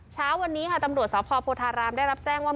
เช้าวันนี้ค่ะตำรวจสพโพธารามได้รับแจ้งว่า